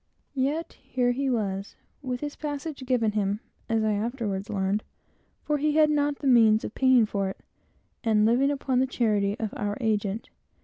Yet here he was, with his passage given him, (as I afterwards learned,) for he had not the means of paying for it, and living upon the charity of our agent.